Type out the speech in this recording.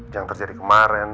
yang terjadi kemarin